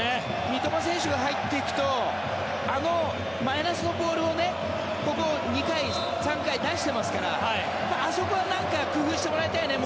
三笘選手が入っていくとあのマイナスのボールをここ、２回、３回出してますからあそこはなんか工夫してもらいたいね。